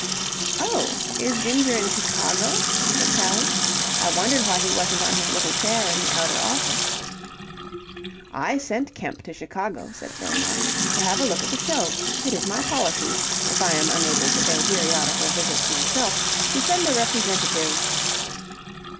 "Oh, is Ginger in Chicago?" said Sally. "I wondered why he wasn't on his little chair in the outer office. "I sent Kemp to Chicago," said Fillmore, "to have a look at the show. It is my policy, if I am unable to pay periodical visits myself, to send a representative..."